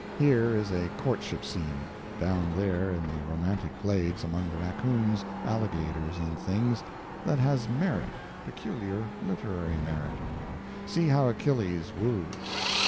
Here is a courtship scene, down there in the romantic glades among the raccoons, alligators, and things, that has merit, peculiar literary merit. See how Achilles woos.